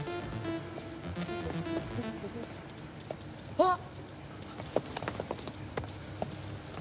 あっ！